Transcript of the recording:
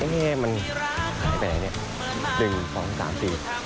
เฮ้มันหายไปไหนเนี่ย๑๒๓๔